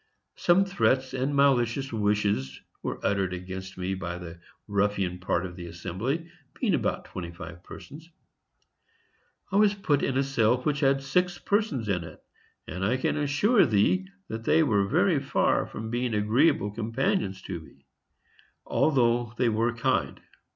Some threats and malicious wishes were uttered against me by the ruffian part of the assembly, being about twenty five persons. I was put in a cell which had six persons in it, and I can assure thee that they were very far from being agreeable companions to me, although they were kind.